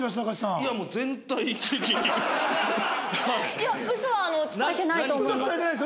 いやウソは伝えてないと思います。